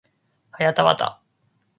はやたわた